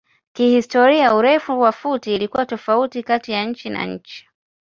Kihistoria urefu wa futi ilikuwa tofauti kati nchi na nchi.